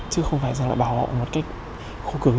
chứ không phải rằng là bảo họ một cách khổ cứng